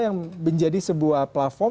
yang menjadi sebuah platform